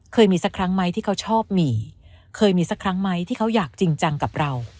มีสักครั้งไหมที่เขาชอบหมี่เคยมีสักครั้งไหมที่เขาอยากจริงจังกับเรา